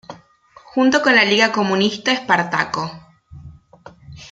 Junto con la Liga Comunista Espartaco.